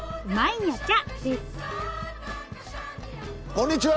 こんにちは！